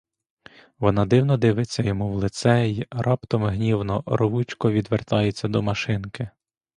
Вона дивно дивиться йому в лице й раптом гнівно, рвучко відвертається до машинки.